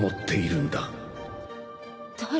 誰？